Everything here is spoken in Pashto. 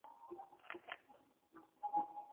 که اسلامي بدیلونه نه وای غورځول سوي نو حالات به ښه وو.